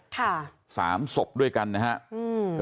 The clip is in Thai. ค่ะสามศพด้วยกันนะฮะอืม